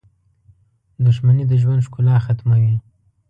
• دښمني د ژوند ښکلا ختموي.